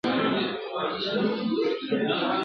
چي په خوب به دي لیدله دغه ورځ دي وه ارمان ..